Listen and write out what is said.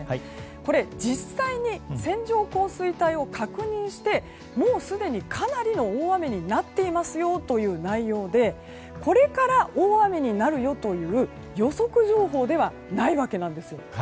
これ実際に線状降水帯を確認してもうすでにかなりの大雨になっていますよという内容でこれから大雨になるよという予測情報ではないわけなんです。